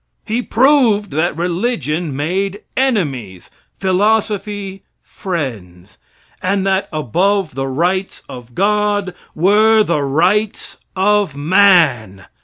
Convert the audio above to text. He proved that religion made enemies philosophy, friends and that above the rites of gods were the rights of man.